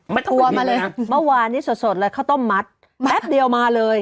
เมื่อวานนี้สดเลยเขาต้องมัดแท็บเดียวมาเลย